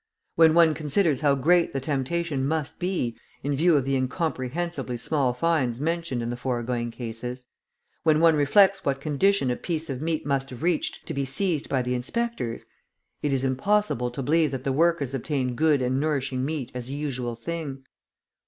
when one considers how great the temptation must be, in view of the incomprehensibly small fines mentioned in the foregoing cases; when one reflects what condition a piece of meat must have reached to be seized by the inspectors, it is impossible to believe that the workers obtain good and nourishing meat as a usual thing.